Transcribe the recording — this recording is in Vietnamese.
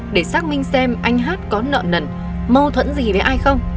để xác minh xem anh hát có nợ nần mâu thuẫn gì với ai không